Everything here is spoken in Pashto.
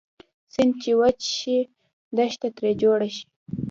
سیند چې وچ شي دښته تري جوړه شي